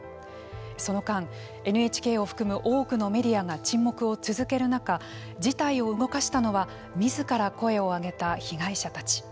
その間、ＮＨＫを含む多くのメディアが沈黙を続ける中事態を動かしたのはみずから声をあげた被害者たち。